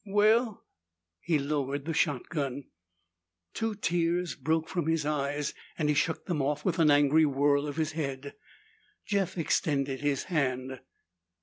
"Well " He lowered the shotgun. Two tears broke from his eyes and he shook them off with an angry whirl of his head. Jeff extended his hand.